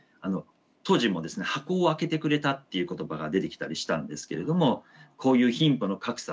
当時も「箱を開けてくれた」っていう言葉が出てきたりしたんですけれどもこういう貧富の格差